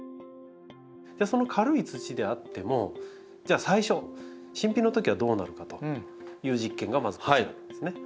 その軽い土であってもじゃあ最初新品のときはどうなるかという実験がまずこちらなんですね。